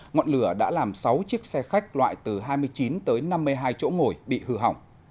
ngọn lửa đã làm sáu chiếc xe khách loại từ hai mươi chín tới năm mươi hai chỗ ngồi bị hư hỏng